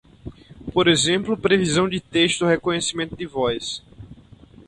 Por exemplo, previsão de texto ou reconhecimento de voz.